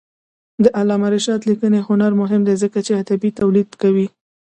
د علامه رشاد لیکنی هنر مهم دی ځکه چې ادبي تولید کوي.